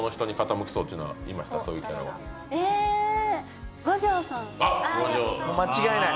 もう間違いない。